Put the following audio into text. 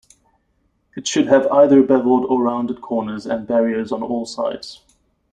It should have either beveled or rounded corners, and barriers on all sides.